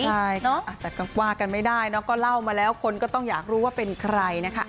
ใช่แต่ก็ว่ากันไม่ได้เนอะก็เล่ามาแล้วคนก็ต้องอยากรู้ว่าเป็นใครนะคะ